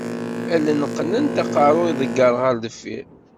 Allen qqnent aqerru iḍegger ɣer deffir.